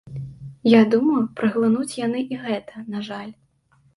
Я думаю, праглынуць яны і гэта, на жаль.